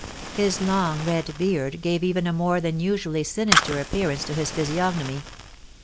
His long red beard gave even a more than usually sinister appearance to his physiognomy.